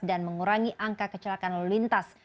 dan mengurangi angka kecelakaan lalu lintas